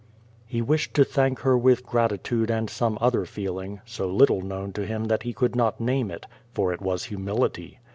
He wished to thank her with gratitude and some other feeling, so little known to him that he could not name it, for it was humility.